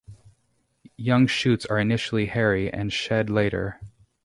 Young shoots are initially hairy and shed later.